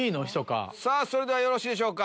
それではよろしいでしょうか。